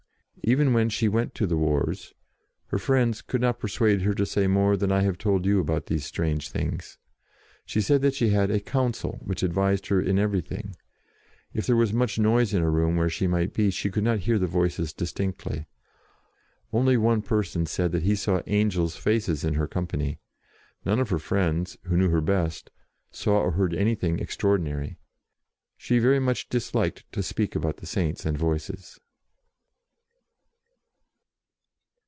Even when she went to the wars, her friends could not persuade her to say more than I have told you about these strange things. She said that she had a "council" which advised her in everything. If there was much noise in a room where she might be, she could not hear the Voices distinctly. Only one person said that he saw angels' faces in her company ; none of her friends who knew her best saw or heard anything extraordinary. She very much disliked to speak about the Saints and Voices.